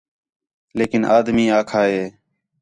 لیکن آدمی آکھا ہِے